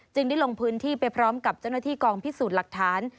ได้ลงพื้นที่ไปพร้อมกับเจ้าหน้าที่กองพิสูจน์หลักฐาน